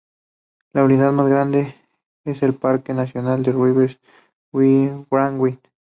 La unidad más grande es el Parque nacional y Reserva Wrangell-St.